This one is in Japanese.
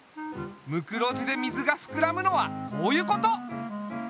ムクロジで水がふくらむのはこういうこと！